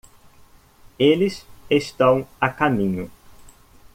Eles estão a caminho.